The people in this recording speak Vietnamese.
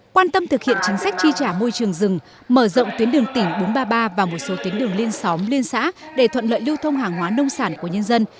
quan tâm thực hiện chính sách tri trả môi trường rừng mở rộng tuyến đường tỉnh bốn trăm ba mươi ba và một số tuyến đường liên xóm liên xã để thuận lợi lưu thông hàng hóa nông sản của nhân dân